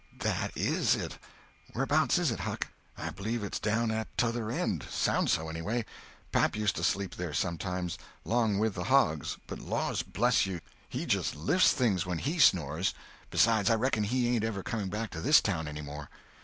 "That is it! Where 'bouts is it, Huck?" "I bleeve it's down at 'tother end. Sounds so, anyway. Pap used to sleep there, sometimes, 'long with the hogs, but laws bless you, he just lifts things when he snores. Besides, I reckon he ain't ever coming back to this town any more."